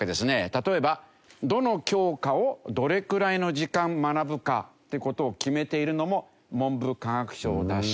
例えばどの教科をどれくらいの時間学ぶかって事を決めているのも文部科学省だし